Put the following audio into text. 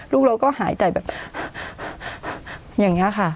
ลูกเราก็หายใจแบบอย่างนี้ค่ะ